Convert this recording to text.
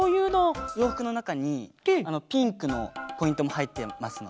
ようふくのなかにピンクのポイントもはいってますので。